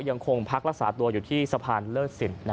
ยังคงพักลักษณ์ตัวอยู่ที่สะพานเลิชศิลป์